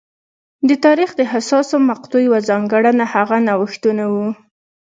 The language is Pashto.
د تاریخ د حساسو مقطعو یوه ځانګړنه هغه نوښتونه وو